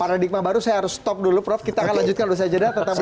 paradigma baru saya harus stop dulu prof kita akan lanjutkan usaha jeda tetap bersama kami